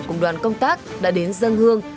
cùng đoàn công tác đã đến dâng hương